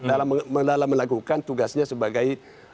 dalam melakukan tugasnya sebagai